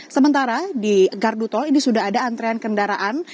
sementara di gardu tol ini sudah ada antrean kendaraan